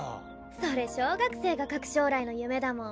それ小学生が書く将来の夢だもん。